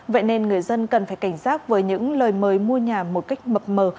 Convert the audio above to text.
vậy nên người dân cần phải cảnh giác với những lời mời mua nhà một cách mập mờ